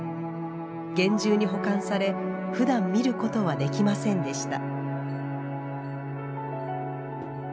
厳重に保管され、ふだん見ることはできませんでした。